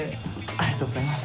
ありがとうございます。